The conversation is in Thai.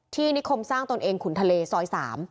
นิคมสร้างตนเองขุนทะเลซอย๓